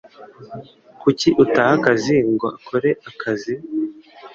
Kuki utaha akazi ngo akore akazi